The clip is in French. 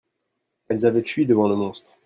elles avaient fui devant le monstre.